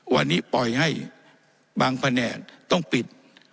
วันนี้ปล่อยให้บางแผนกต้องปิด